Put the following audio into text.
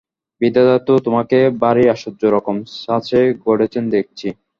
বিধাতা তো তোমাকে ভারি আশ্চর্য রকম ছাঁচে গড়েছেন দেখছি।